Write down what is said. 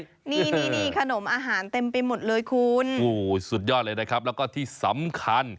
นี่นี่ขนมอาหารเต็มไปหมดเลยคุณโอ้โหสุดยอดเลยนะครับแล้วก็ที่สำคัญ